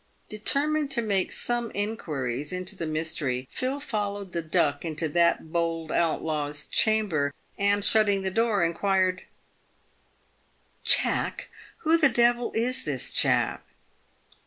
Determined to make some inquiries into the mystery, Phil followed the Duck into that bold outlaw's chamber, and, shutting the door, inquired, " Jack, who the devil is this chap